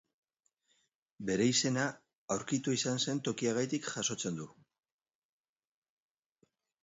Bere izena, aurkitua izan zen tokiagatik jasotzen du.